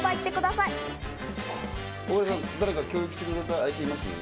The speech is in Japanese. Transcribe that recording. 誰か協力してくれた相手います？